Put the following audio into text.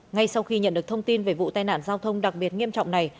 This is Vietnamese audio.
ngay sau khi nhận được thông tin về vụ tai nạn giao thông đặc biệt nghiêm trọng này